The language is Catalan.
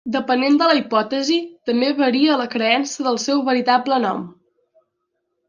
Depenent de la hipòtesi, també varia la creença del seu veritable nom.